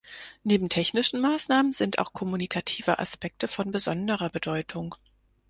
Neben technischen Maßnahmen sind auch kommunikative Aspekte von besonderer Bedeutung.